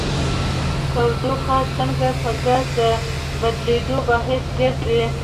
تودوخه څنګه په ګاز د بدلیدو باعث ګرځي؟